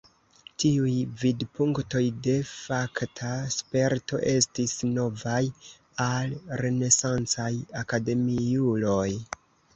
Tiuj vidpunktoj de fakta sperto estis novaj al renesancaj akademiuloj.